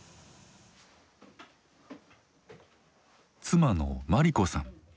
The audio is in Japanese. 妻の末利子さん。